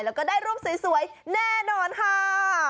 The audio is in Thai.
แล้วก็ได้รูปสวยแน่นอนค่ะ